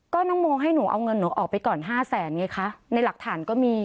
ก็น้องโมให้หนูเอาเงินหนูออกไปก่อนห้าแสนไงคะในหลักฐานก็มี